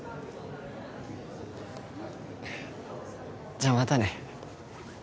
じゃまたね